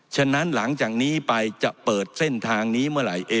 ฉะนั้นหลังจากนี้ไปจะเปิดเส้นทางนี้เมื่อไหร่